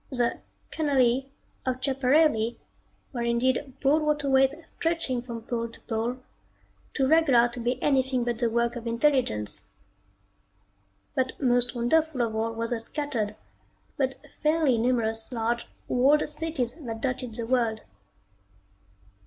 The canali of Schiaparelli were indeed broad waterways stretching from pole to pole, too regular to be anything but the work of intelligence. But most wonderful of all were the scattered, but fairly numerous large, walled cities that dotted the world.